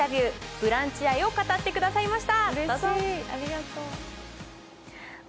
「ブランチ」愛を語っていただきました。